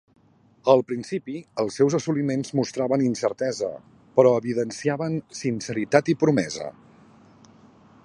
Al principi, els seus assoliments mostraven incertesa, però evidenciaven sinceritat i promesa.